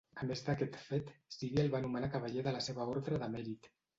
A més d'aquest fet, Síria el va nomenar cavaller de la seva Ordre de Mèrit.